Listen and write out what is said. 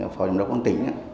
phòng giám đốc quán tỉnh